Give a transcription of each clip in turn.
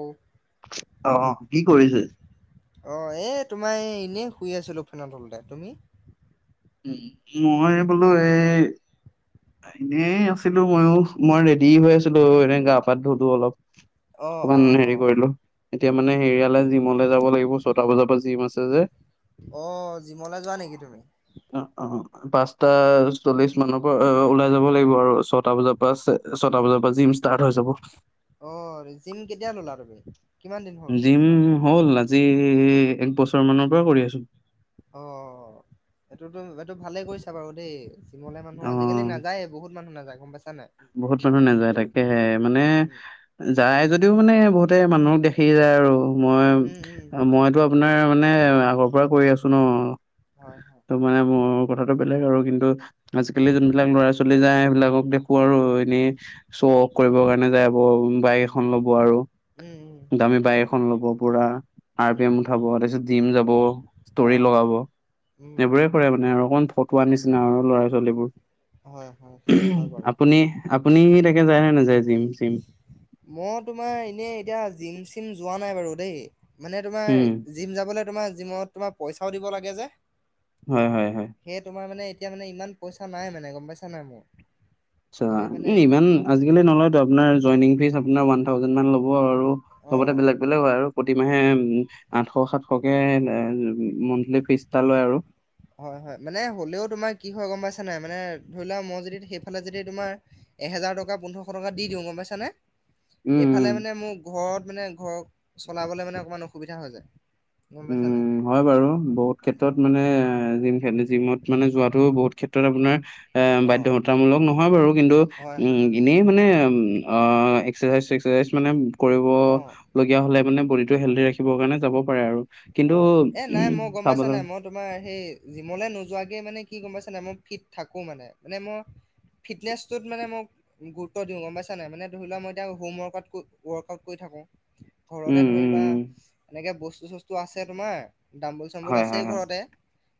অ' অ', কি কৰিছে? অ', এ তোমাৰ এনেই শুই আছো ফেনৰ তলতে, তুমি? উ মই বোলো এই এনেই আছিলো ময়ো মই ৰেডি হৈ আছিলো এনে গা পা ধোলো অলপ। অ অকমান অ অ হেৰি কৰিলো। এতিয়া মানে হেৰিয়ালে জিমলে যাব লাগিব ছটা বজাৰ পা জিম আছে যে। অঁ জিমলে যোৱা নেকি তুমি? অ অ পাঁচটা চল্লিশ মানৰ পৰা। অ' ওলাই যাব লাগিব আৰু ছয়টা বজাৰ পা ছটা বজাৰ পা জিম ষ্টাৰ্ট হৈ যাব। অঁ জিম কেতিয়া ল'লা তুমি? কিমান দিন হ'ল গৈ জিম থকা? হ'ল আজি এক বছৰ মানৰ পৰা কৰি আছো। অ' অ' অ' এইটো এইটো ভালে কৰিছা বাৰু দেই। ৱলে মানুহ অ আজি কালি নাযায়েই বহুত মানুহ নাযায় গ'ম পাই বহুত মানুহ নাযায় তাকেহে, মানে উম যাই যদ তেও মানে বহুতে মানুহক দেখি যায় আৰু। মই উম উম মইতো আপোনাৰ মানে আগৰ পৰা কৰি আছো ন। হয় হয় ত' মানে মোৰ কথাটো বেলেগ আৰু কিন্তু আজিকালি উম যোনবিলাক ল'ৰা ছোৱালী যায় সেই বিলাকক দে আৰু এনেই শ্ব' অফ কৰিবৰ কাৰণে যাব বাইক এখন ল'ব আৰু উম উম। দামী তাকে বাইক তাকে এখন ল'ব পুৰা। আৰ উম পি এম উঠাব, তাৰপিছত ডিম যাব, অ ষ্টৰি লগাব উম এইবোৰে কৰে মানে আৰু অক ফটোৱা নিচিনা আৰু ল'ৰা ছোৱালীবোৰ। হয় হয় সেইটো হয় বাৰু। আপুনি, আপুনি তাকে যায় নে নাযায় জিম চিম? মই তোমাৰ এনেই এতিয়া জিম চিম যোৱা নাই বাৰু। দেই মানে তোমাৰ উম জিম যাবলৈ তোমাৰ জিমত তোমাৰ পইচাও দিব লাগে যে। হয় হয় হয় সে তোমাৰ মানে এতিয়া মানে ইমান পইচা নাই মানে গম পাইছা নাই মোৰ। আচ্ছা তাকে মানে ইমান আজিকালি নলয়তো আপোনাৰ জইনিং ফিজ আপোনাৰ ওৱান থাউজেণ্ড মান ল'ব আৰু। আৰু অ চবতে বেলেগ বেলেগ হয় আৰু। প্ৰতিমাহে আঠশ সাতশকে এ এ মাউণ্টলি ফিজ এটা লয় আৰু। হয় হয় মানে হ'লেও তোমাৰ কি হয় গম পাইছা নাই মানে ধৰি লোৱা মই যদি সেইফালে যদি তোমাৰ এহেজাৰ টকা পোন্ধৰশ টকা দিওঁ গম পাইছা নে। উম এইফালে উম মানে মো ঘৰত মানে ঘৰ চলাবলে মানে অকণমান অসুবিধা হৈ যায়। গম পাইছা নাই উম হয় বাৰু বহুত অ ক্ষেত্ৰত মানে জিম জিমত মানে যোৱাটো বহুত ক্ষেত্ৰত আপোনাৰ এ অ বাধ্যতামূলক নহয় বাৰু কিন্তু হয় হয় উম এনেই মানে অ এক এস্কছাইজ ছেস্কছাইজ মানে অ কৰিবলগীয়া হ'লে মানে বডিটো হেলডি ৰাখিবৰ কাৰণে যাব পাৰে আৰু। কিন্তু অ এ নাই উম, মই গম পাইছা চাবলৈ নাই মই তোমাৰ সেই জিমলে নোযোৱাকে মানে কি গম পাইছা নাই মই ফিট থাকো মানে মানে ম ফিটনেচটোত মানে মোক গুৰুত্ব দিওঁ গম পাইছা নাই মানে ধৰি লোৱা মই এতিয়া হোমৱৰ্কত ৱৰ্কআউট কৰি থাকো। ঘৰতে উম ধৰি উম লোৱা উম এনেকে বস্তু চস্তু আছে তোমাৰ দাম্বোুল হয় চাম্বুল হয় হয় আছেই ঘৰতে।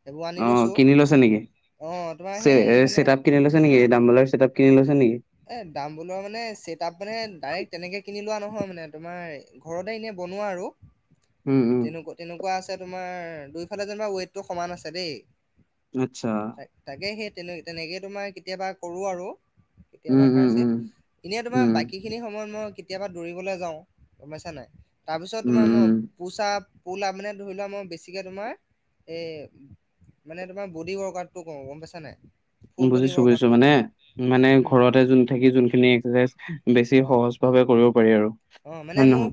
সেইবোৰ আনি অ', লৈছো কিনি লৈছে নেকি? অ তোমাৰ সেই মানে ছেটআপ কিনি লৈছে নেকি, দাম্বলৰ চেটআপ কিনি লৈছে নেকি? এ দাম বুলোৱা মানে, চেট আপ মানে ডাইৰেক্ট তেনেকে কিনি লোৱা নহয় মানে, তোমাৰ ঘৰতে এনে বনোৱা আৰু। উম উম তেনেকুৱা তেনেকুৱা আছে, তোমাৰ দুইফালে যেনিবা ৱেইটটো সমান আছে দেই। আচ্ছা তাকে, তাকে, সেই তেনে তেনেকে তোমাৰ কেতিয়াবা কৰোঁ আৰু। উম কেতিয়াবা উম উম কাৰচিত, এনেই তোমাৰ উম বাকী খিনি সময়ত মই কেতিয়াবা দৌৰিবলৈ যাওঁ, গম পাইছা নাই। তাৰপিছত উম তোমাৰ মই পোচাপ পোলা মানে ধৰি লোৱা মই বেছিকে তোমাৰ এ মানে তোমাৰ বডী ৱৰ্কআউটটো কও গম পাইছা নাই। ফুল বডি বুজিছো বুজিছো ৱৰ্কআউটটো মানে কৰো মানে উম ঘৰতে যোন থাকি যোনখিনি এস্কছাইজ বেছি অ সহজ ভাৱে কৰিব পাৰি আৰু। অ মানে হয় নে মো নহয়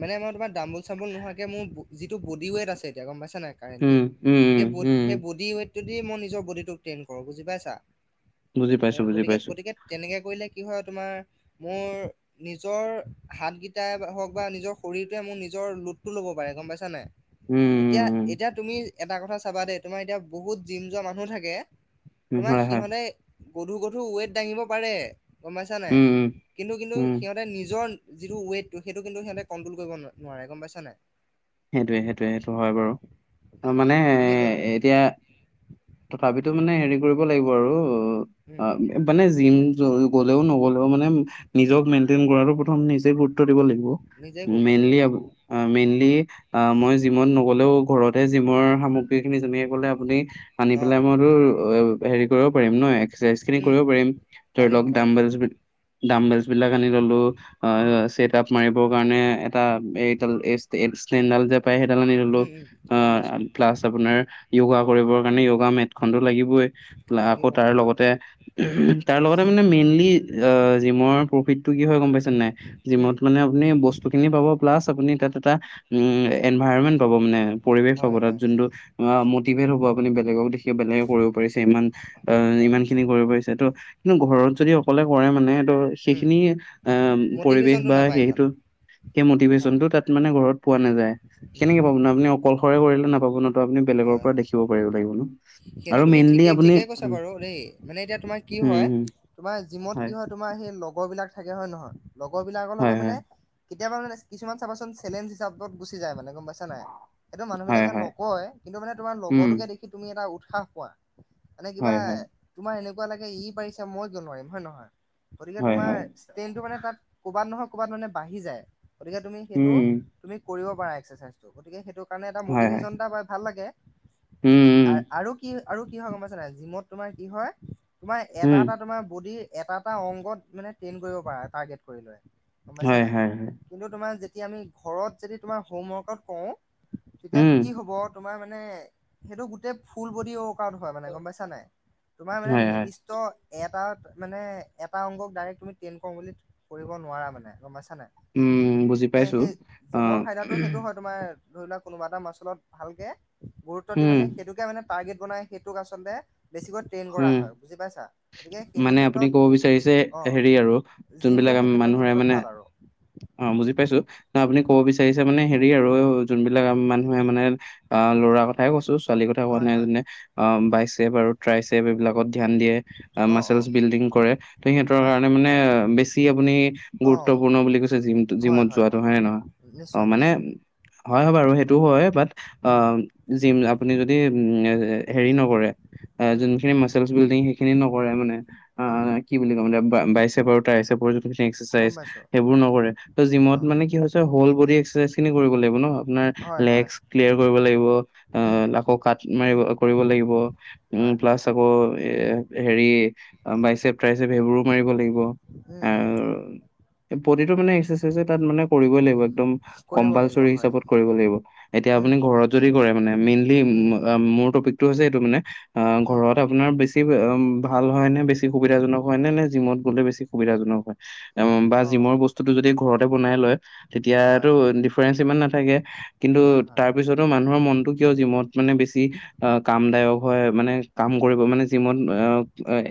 মানে মই তোমাৰ দামোল চাবোল নোহোৱাকে মোৰ যিটো বডি ৱেট আছে এতিয়া গম পাইছা ছা নাই কাৰেনলি, উম উম উম সে বড উম সে বডি ৱেটটো দি মই নিজৰ বডিটো ট্টেন কৰো বুজি পাইছা। বুজি এ পাইছো বুজি গতিকে, পাইছো গতিকে তেনেকে কৰিলে কি হয় তোমাৰ, মোৰ, নিজৰ হাতকেইটাই হওক, বা নিজৰ শৰীৰটোৱে মোৰ নিজৰ লোটটো ল'ব পাৰে গম পাইছা নে নাই? উম উম এতিয়া, এতিয়া উম তুমি এটা কথা চাবা দেই, তোমাৰ এতিয়া বহুত জিম যোৱা মানুহ থাকে উম, তোমাৰ হয় হয় সিহঁতে গধুৰ গধুৰ ৱেট দাঙিব পাৰে। গম পাইছা নাই, উম উম কিন্তু, কিন্তু উম সিহঁতে নিজৰ যিটো ৱেইটটো সেইটো কিন্তু সিহঁতে কন্ট্ৰল কৰিব নোৱাৰে, গম পাইছ নাই। সেইটোৱে, সেইটোৱে, সেইটো হয় বাৰু, অ' সে- মানে সে- সেইটোৱে মানে এতিয়া কথাটো তথাপিতো উম মানে হেৰি কৰিব লাগিব উম মানে জিম গ'লেও ন'গলেও মানে নিজক মেইন্টেইন কৰাটো প্ৰথম নিজক গুৰুত্ব দিব লাগিব, নিজেই গুৰুত্ব দিব মেইনলি, আ, লাগিব। মেইনলি আ, মই জিমত নগলেও ঘৰতহে জিমৰ সামগ্ৰী খিনি আপুনি আনি পেলাই, অ' মইতো অ', হেৰি কৰিব পাৰিম নহয় এক্সাৰচাইজখিনি উম কৰিব পাৰিম, ধৰি পাৰিম লওঁক পাৰিম দামব দাম বেলচবিলাক আনি ললোঁ, উম। অ', ছেট আপ মাৰিবৰ কাৰণে এটা, এই যে পায় সেইডাল আনি ল'লো, উম, উম, আ, গম পাইছোঁ, গম পাইছোঁ, প্লাছ আপোনাৰ য়গা কৰিবৰ কাৰণে য়োগা মেট খনটো লাগিবই, আকৌ লাগিব, তাৰ লাগিব, লগতে, তাৰ লগতে মানে মেইনলি অ', জিমৰ প্ৰফিটটো কি হয় গম পাই নাই, উম, জিমত মানে আপুনি বস্তু খিনি পাব। প্লাছ আপুনি এটা দুটা, উম, এনভাইৰনমেণ্ট পাব মানে পৰিৱেশ পাব হয়, তাত হয়, যোনটো অ', মটিভেট হ'ব আপুনি বেলেগক দেখি বেলেগে কৰিব পাৰিছে ইমান অ', হয়, ইমান খিনি হয়, কৰিব পাৰিছে ত', কিন্তু ঘৰত যদি অকলে কৰে মানে উম, সেইখিনি আ, পৰিৱেশ মটিভেশ্যনটো বা নাপায় ইমান, সেইটো সেই হয়, মটিভেশ্বনটো তাত মানে ঘৰত পোৱা উম, কেনেকে পাব ন আপুনি, অকলশৰে কৰিলে নাপাব ন? নি বেলেগৰ হয়, পৰা হয়, দেখিব পাৰিব লাগিব ন। সেইটো আৰু তুমি মেইনলি ঠিকেই, আপুনি ঠিকেই কৈছা বাৰু দেই, মানে এতিয়া তোমাৰ কি হম, হয় হম। তোমাৰ জিমত কি হয়, তোমাৰ সেই লগৰ বিলাক থাকে হয় নহয়। লগৰ বিলাকৰ হয় লগত মানে হয় কেতিয়াবা মানে কিছুমান চাবাচোন চেলেঞ্জ হিচাপত গুচি যায় মানে গম পাইছা নাই? এইটো হয় মানুহবিলাকে হয় নকয়, কিন্তু মানে তোমাৰ উম লগৰটোকে দেখি তুমি এটা উৎসাহ পোৱা। মানে কিবা, হয় হয় তোমাৰ এনেকুৱা লাগে ই পাৰিছে, মই কিয় নোৱাৰিম! হয়নে নহয়? গতিকে হয় তোমাৰ হয় ষ্টেনটো মানে তাত ক'বাত নহয় ক'বাত মানে বাঢ়ি যায়। গতিকে তুমি সেইটো, উম তুমি কৰিব পাৰা এক্সাৰচাইজটো। গতিকে সেইটো কাৰণে এটা হয় হয় মটিভেশচন এটা বা ভাল লাগে, উম উম আৰু কি আৰু কি হয় গম পাইছা নাই, জিমত তোমাৰ কি হয় তোমাৰ এটা উম এটা তোমাৰ বডি, এটা এটা অংগ মানে ট্ৰেইন কৰিব পাৰা টাৰ্গেট কৰি লৈ। গম পাইছা হয় নাই? হয় হয় কিন্তু তোমাৰ যেতিয়া আমি ঘৰত যদি তোমাৰ হোমৱৰ্কাউট কৰোঁ তেতিয়া উম কি হ'ব, তোমাৰ মানে সেইটো গোটেই ফুল বডি অ' আউট হয় মানে গম পাইছা নাই? তোমাৰ মানে হয় হয় নিৰ্দিষ্ট এটা মানে এটা অংগক ডাইৰেক্ট তুমি ট্ৰেইন কৰোঁ বুলি কৰিব নোৱাৰা মানে। গম পাইছা নাই? উম, বুজি গতিকে পাইছোঁ, সেই অ'। জিমৰ ফাইদাটো সেইটো হয় তোমাৰ ধৰি লোৱা কোনোবা এটা মাচলত ভালকে, গুৰুত্ব দি উম মানে সেইটোকে মানে টাৰ্গেট বনাই সেইটোক আচলতে বেছিকৈ ট্ৰেইন কৰা উম হয়। বুজি পাইছা? গতিকে সেইটো মানে আপুনি ক'ব ক্ষেত্ৰত বিচাৰিছে অ', হেৰি আৰু যোনবিলাক জিমটো সেই আম- ক্ষেত্ৰ সেই মানুহে ক্ষেত্ৰত মানে ভাল আৰু। অ' উম, বুজি পাইছো। না আপুনি উম ক'ব বিচাৰিছে মানে হেৰি আৰু যোনবিলাক মানুহে মানে, অ ল'ৰা কথাই কৈছোঁ। ছোৱালীৰ কথা কোৱা হয় নাই, হয়, যেনে অ বাই চেপ আৰু ট্ৰাইছেপ এইবিলাকত ধ্যান দিয়ে, অ' মাছলচ অ' বিল্ডিং কৰে। ত' সিহঁতৰ হয়, কাৰণে মানে আ, বেছি আপুনি গুৰুত্ব অ' পূৰ্ণ বুলি কৈছে জিমটো, জিমত যোৱাটো। হয় নে নহয়? অ নিশ্চয়, মানে নিশ্চয়। হয় বাৰু সেই টো হয় বাট, আ উম, জিম আপুনি যদি হেৰি নকৰে এ উম, যোনখিনি মাচলচ বিল্ডিং, সেইখিনি নকৰে মানে আ, উম, কি বুলি কম এতিয়া, বাইচেপ আৰু ট্ৰাইচেপ্ৰ গম এক্সাৰচাইজ পাইছোঁ। সেইবোৰ নকৰে, ত' জিমত অ', মানে কি হৈছে, হল বডি এক্সাৰচাইজ খিনি কৰিব লাগিব ন? আপোনাৰ হয়, হয়, লেগচ ক্লিয়াৰ কৰিব লাগিব, অ উম, আকৌ কাট মাৰিব কৰিব লাগিব। উ হয়, হয়, প্লাছ আকৌ, এ হেৰি বাইচেপ, টাইচেপ সেইবোৰো মাৰিব লাগিব। উম উম। আৰু প্ৰতিটো মানে এক্সাৰচাইজে তাত মানে কৰিবই লাগিব। একদম কৰিব লাগিব কম্পালচৰি হয়। হিচাপত কৰিব লাগিব। এতিয়া উম, আপুনি ঘৰত তাকে, যদি কৰে প্ৰায় মানে, মেইনলী উম, ম আ মোৰ টপিক টো হৈছে এইটো মানে, অ উম, ঘৰত আপোনাৰ বেছি ভাল হয়নে? বেচি সুবিধাজনক হয় নে? নে জিমত গ'লে বেছি সুবিধাজনক হয়? বা অ', জিমৰ বস্তুতটো যদি ঘৰত বনাই লয়, তেতিয়াটো হয়, ডিফাৰেঞ্চ ইমান নাথাকে। কিন্তু হয়, হয়, তাৰ পিছতো মানুহৰ মনটো কিয় জিমত মানে বেছি অ কামদায়ক হয়? মানে কাম কৰিব মানে জিমত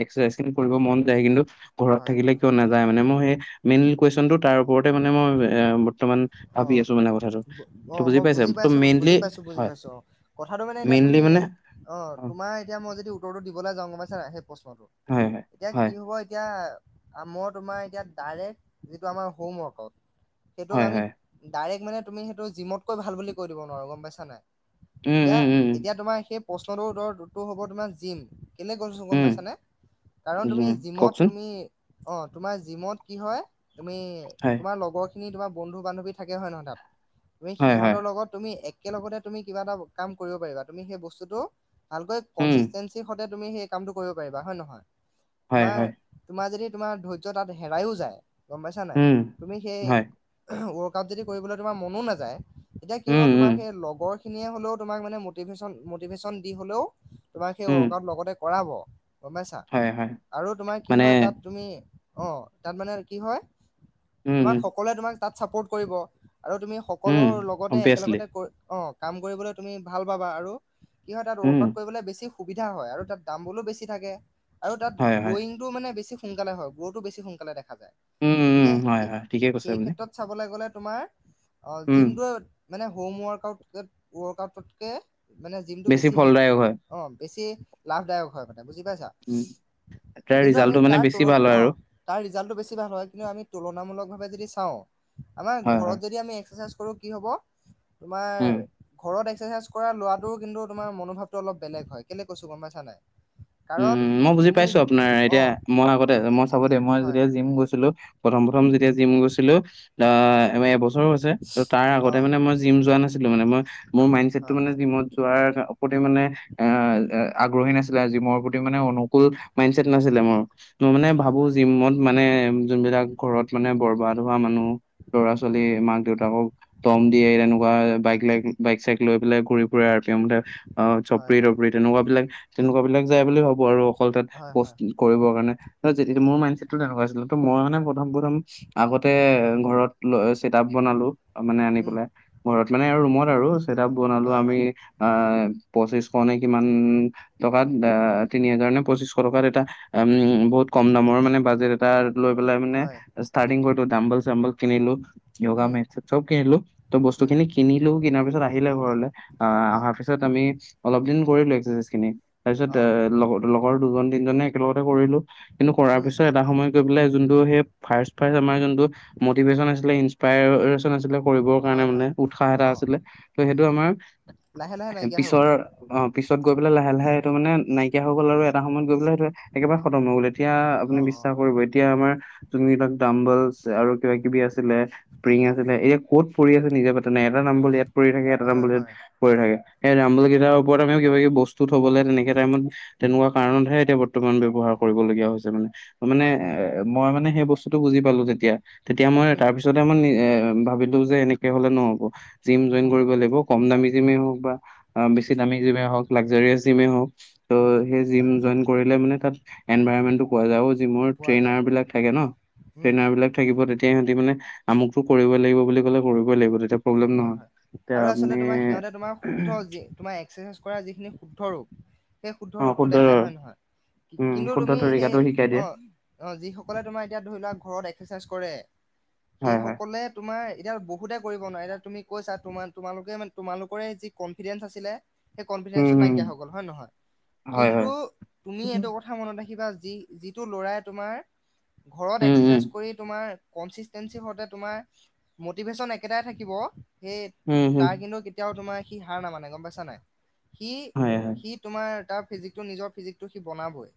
এক্সাৰচাইজ কৰিব মন যায়। কিন্তু ঘৰত হয়, থাকিলে হয়, কিয় নাযায়? মানে মোৰ সেই মেইন কুৱেশনতটো তাৰ ওপৰতে মানে মই এ বৰ্তমান ভাবি অ'। আছো মানে কথাটো। ত' অ', বুজি মই পাইছা? ত' পাইছোঁ, মেইনলি, বুজি পাইছোঁ, বুজি হয়। পাইছোঁ অ'। কথাটো মানে এতিয়া মেইনলি তুমি, মানে অ' তোমাৰ এতিয়া মই যদি উত্তৰটো দিবলে যাওঁ, গম পাইছা নাই? সেই প্ৰশ্নটো, হয় হয় এতিয়া কি হয় হ'ব এতিয়া আ মই তোমাৰ এতিয়া ডাইৰেক্ট, যিটো আমাৰ হোম ৱৰ্কআউট সেইটোক হয় আমি হয় ডাইৰেক্ট মানে তুমি সেইটো জিমতকৈ ভাল কৈ দিব নোৱাৰো গম পাইছা নাই? উম এতিয়া, উম উম এতিয়া তোমাৰ সেই প্ৰশ্নটোৰ উতৰটো হ'ব তোমাৰ জিম কেলে কৈছো গম উম পাইছানে? কাৰণ উম তুমি উম, জিমত কওকচোন তুমি অ' তোমাৰ জিমত কি হয়, তুমি হয় তোমাৰ লগৰখিনি তোমাৰ বন্ধু বান্ধৱী থাকে হয় নহয় তাত তুমি হয় হয় সিহঁতৰ লগত তুমি এক একেলগতে তুমি কিবা এটা কাম কৰিব পাৰিবা তুমি সেই বস্তুটো ভালকৈ উম কনসিস্টেন্সি তুমি সেই কামটো কৰিব পাৰিবা হয় নহয়? হয় তোমাৰ, হয় তোমাৰ যদি ধৰ্য তাত হেৰাইও যায় গম পাইছা নাই উম, তুমি সেই হয়। ৱৰ্কটো তাত যদি কৰিবলৈ তোমাৰ মনো নাযায় তেতিয়া কি উম, হ'ব উম, তোমাৰ সেই লগৰ খিনিয়ে হলেও তোমাক মানে মটিভেশচন মটিভেশচন দি হলেও তোমাক সেই উম, ৱৰ্কআউট লগতে কৰাব। গম পাইছা হয়, হয়। আৰু তোমাৰ কি মানে হয় তাত তুমি, অঁ, তাত মানে কি হয় উম, তোমাক উম, সকলোৱে তোমাক তাত চাপোৰ্ট কৰিব। আৰু তুমি সকলো উম, লগতে অবভিয়াছলি। একেলগতে ক, অঁ কাম কৰিবলৈ তুমি ভাল পাবা আৰু কি হয় তাত উম, ৱৰ্কআউট কৰিবলৈ বেছি সুবিধা হয় আৰু তাত দাম বলো বেছি থাকে। আৰু তাত হয়, হয়। গ্ৰ'য়িংটো মানে বেছি সোনকালে হয় গ্ৰ'টো বেছি সোনকালে দেখাই। [unintelligible] উম, উম, গতিকে হয়, স হয়। ঠিকে কৈছে সেই আপুনি। ক্ষেত্ৰত চাবলৈ গলে তোমাৰ অ উম, জিমটোৱে মানে হোম ৱৰ্কআউট ৱৰ্কআউটতকে মানে জিমটো বেছি হে, ফলদায়ক হয়। অঁ বেছি লাভদায়ক হয় মানে বুজি পাইছা? উম, তাৰ কিন্তু আমি ৰিজাল্টটো মানে তাৰ বেছি তুলন, ভাল হয় অঁ আৰু। তাৰ ৰিজাল্টটো বেছি ভাল হয় কিন্তু আমি তুলনামূলকভাবে যদি চাও আমাৰ হয়, হয়। ঘৰত যদি এক্সাৰসাইজ কৰো কি হব তোমাৰ উম। ঘৰত, এক এক্সাৰসাইজ কৰা লৰাটোৰ কিন্তু তোমাৰ মনোভাৱটো অলপ বেলেগ হয় কেলেই কৈছো গম পাইছা নাই? কাৰণ উম মই বুজি তুমি পাইছো আপোনাৰ অ এতিয়া মই আগতে মই চাব দেই মই হয় যেতিয়া জিম গৈছিলো প্ৰথম প্ৰথম যেতিয়া উম জিম গৈছিলোঁ। অ আৰ এবছৰো হৈছে তো তাৰ অ আগতে মানে মই জিম যোৱা নাছিলোঁ মানে মই মোৰ মাইণ্ডচেটতো হয় মানে হয় জিমত যোৱাৰ মানে এ আগ্ৰহী নাছিলে জিমৰ ম মানে অনুকূল মাইণ্ডচেট নাছিলে মোৰ, মই মানে হয় ভাবো হয় জিমত মানে যোন বিলাক ঘৰত মানে বৰবাত ধৰা মানুহক ল'ৰা ছোৱালী উম মাক দেউতাকক দম দিয়ে তেনেকুৱা বাইক লাইক বাইক চাইক লৈ পেলাই ঘুৰি তেওঁৰ মতে অ' হয় চপৰি হয় তপৰি তেনেকুৱা বিলাক তেনেকুৱা বিলাক যায় বুলি ভাবোঁ। পুআৰু অকল তাত হয় হয় কষ্ট কৰিব কাৰণে যিহেতু মোৰ উম মাইণ্ডছেট তোৰ তেনেকুৱা আছিল। তো মই মানে প্ৰথম প্ৰথম আগতে ঘৰত ল ছেট আপ বনালোঁ মানে আনি উম পেলাই ঘৰত মানে ৰুমত আৰু চেট আপ বনালোঁ হয় আমি হয় পঁচিশশ নে কিমান টকাত। বা তিনি হাজাৰ নে পঁচিশ টকাত এটা উম, বহুত কম দামৰ মানে বাজেট এটা লৈ পেলাই মানে হয়, ষ্টাৰ্টিং কৰোঁতে ডাম্বল চাম্বল কিনিলোঁ যোগা উম, মেট চেট চ'ব কিনিলোঁ তোৰ বস্ত উম, বস্তুখিনি কিনিলোঁ কিনাৰ পিছত আহিল আকৌ ঘৰলে অহাৰ অ', পিছত আমি অলপ দিন কৰিলোঁ এক্সাৰচাইজ খিনি তাৰ পিছত অ', এ লগ লগৰ দুজন তিনজনে একেলগতে কৰিলোঁ। কিন্তু, কৰাৰ উম, পিছত এটা সময় গৈ পেলাই যোনটো সেই ফাৰ্ষ্ট ফাৰ্ষ্ট আমাৰ যোনটো মটিভেশ্যচন আছিলে, ইনস্পেয়াৰ। ত' নাছিলে কৰিবৰ হয়, কাৰণে হয়। মানে উৎসাহ এটা অ', আছিলে উম, ত'সেইটো আমাৰ লাহে লাহে হে নাইকিয়া হৈ পিছৰ গ'ল, অ, পিছত গৈ পেলাই লাহে-লাহে এইটো মানে নাই কিয়া হৈ গ'ল উম, আৰু এটা সময়ত গৈ পেলাই সেইটো একেবাৰে খতম হৈ গ'ল এতিয়া আপুনি অ', বিশ্বাস অ', কৰিব এতিয়া আমাৰ যোনবিলাক দাম্বলচ আৰু কিবা কিবি আছিলে স্প্ৰিং উম, আছিলে এয়া ক'ত পৰি আছে নিজে পাত্তা নাই এটা দাম্বোল ইয়াত পৰি থাকে এটা হয়, দাম্বোল ইয়াত হয়। পৰি থাকে। এই দাম্বলকেইটাৰ ওপৰত আমি কিবা কিবি বস্তু থবলে যেনেকে টাইমত তেনেকুৱা কাৰণতহে এতিয়া বৰ্তমান ব্যৱহাৰ কৰিবলগীয়া হৈছে মানে। অ, মানে হয়, এ হয়, মই মানে সেই বস্তুটো বুজি পালো তেতিয়া। তেতিয়া মই উম, তাৰপিছতে মই ভাবিলোঁ যে এনেকৈ হ'লে নহ'ব। জিম জইন নহ'ব কৰিব নহ'ব, লাগিব কম দামী জিমে হয়, হক বা বেছি দামী জিমে হক লাগজাৰীয়েচ জিমে উম, হওক ত' উম, উম, হেই জিম জইন কৰিলে মানে তাত এনভাইৰনমেণ্ট টো পোৱা যায় আৰু জিমৰ পোৱা যায়, ট্ৰেইনাৰ পোৱা বিলাক যায়, থাকে ন' উম, ট্ৰেইনাৰ বিলাক থাকিব তেতিয়া ইহঁতি মানে আমুকটো কৰিব লাগিব বুলি ক'লে কৰিবই লাগিব তেতিয়া প্ৰব্লেম নহয় হয়-হয় এতিয়া আৰু আচলতে আপুনি তোমাৰ সিহতে তোমাৰ শুদ্ধ যি তোমাৰ এক্সাৰচাইজ কৰা যিখিন হে শুদ্ধ ৰোগ সেই শুদ্ধ ৰোগটো দেখাই হয় নে নহয়? উম কিন্তু শুদ্ধ তুমি সেই তৰিকাটো শিকাই দিয়ে অ', অ', যিসকলে তোমাৰ এতিয়া ধৰি লোৱা ঘৰত এক্সেৰচাইজ কৰে সেই হয় হয় সকলোৱে তোমাৰ এতিয়া বু বহুতে কৰিব নোৱাৰে এতিয়া তুমি কৈছা তোমালোকে -তোমালোকৰে যি কনফিডেন্ঞ্চ আছিলে সেই উম কনফিডেঞ্চটো হম নাইকিয়া হৈ গল হয় নহয় হয় কিন্তু হয় তুমি উম এইটো কথা মনত ৰাখিবা যি যিটো ল'ৰাই তোমাৰ ঘৰত উম এক্সাৰচাইজ কৰি তোমাৰ কনচিষ্টেঞ্চি হতে তোমাৰ মটিভেচন একেটাই থাকিব হে উম হম তাৰ কিন্তু কেতিয়াও তোমাৰ সি হাৰ নামানে গম পাইছা নাই? হয় হয় সি-সি তোমাৰ তাৰ ফিজিকটো নিজৰ ফিজিকটো সি বনাবই।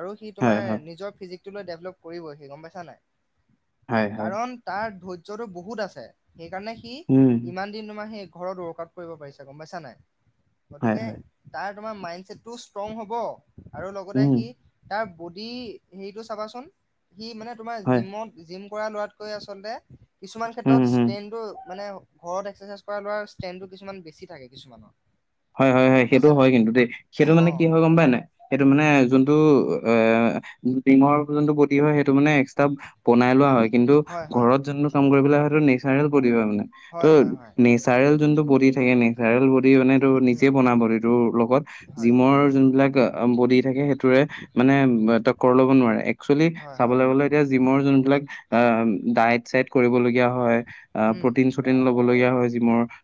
আৰু সি তোমাৰ হয় হয় নিজৰ ফীজিকটো লৈ নিজৰ দেভলপ কৰিবই গম পাইছা নাই? হয় হয় কাৰণ তাৰ ধৈৰ্যটো বহুত আছে। সেইকাৰণে সি উম ইমান দিন তোমাৰ সেই ঘৰত ৱৰ্কআউট কৰিব পাৰিছা গম পাইছা নাই? হয় গতিকে হয় তাৰ তোমাৰ মাইণ্ডছেটটো ষ্ট্ৰং হ'ব। আৰু লগতে উম সি তাৰ বডি হেৰিটো চাবাচোন। সি মানে তোমাৰ হয় জিমত জিম কৰা লৰাতকৈ আচলতে কিছুমান উম হম ষ্ট্ৰেনটো মানে ঘৰত এক্সাৰচাইজ কৰা লোৱাৰ ষ্ট্ৰেনটো কিছুমান বেছি থাকে কিছুমানৰ। হয়, হয়, হয় গম সেইটো পাইছা নাই হয় কিন্তু দেই সেইটো অ মানে কি হয় গম পায় নাই সেইটো মানে উম যোনটো এ ডিমৰ যোনটো গতি হয় সেইটো মানে এক্সট্ৰা বনাই লোৱা হয় কিন্তু হয় হয় ঘৰত যটো কাম কৰিব সেইটো নেচাৰেল মানে হয় হয় হয় [unintelligible] যোনটো বডি থাকে নে ভেৰেল বডি মানে তটো নিজে উম বনাবডিতো লগত হয় জিমৰ যোনবিলাক বডি থাকে সেইটোৰে মানে তক ল'ব নোৱাৰে। একচুৱেল হয় হয় চাবলৈ গলে এতিয়া জিমৰ যোনবিলাক অ দাইত চাইত কৰিবল গীয়া হয়, অ উম প্ৰটিন শ্ৰতিন লব লগীয়া হয় জিমৰ